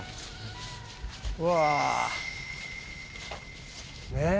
うわ。ねえ。